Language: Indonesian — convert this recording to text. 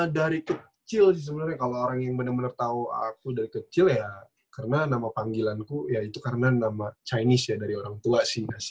dari kecil sih sebenernya kalo orang yang bener bener tau aku dari kecil ya karena nama panggilanku ya itu karena nama chinese ya dari orang tua sih